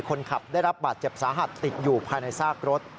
คนขับได้รับบาดเจ็บสาหัสติดอยู่ภายในซากรถ